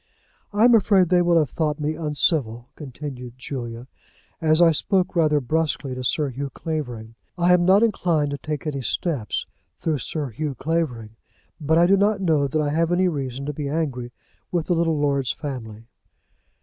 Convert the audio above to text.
"I am afraid they will have thought me uncivil," continued Julia, "as I spoke rather brusquely to Sir Hugh Clavering. I am not inclined to take any steps through Sir Hugh Clavering; but I do not know that I have any reason to be angry with the little lord's family."